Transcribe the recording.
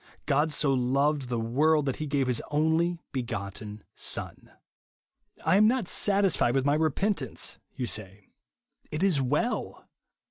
" God so loved the world that he gave his only begotten Son." " I am not satisfied with my repentance," you say. It is well.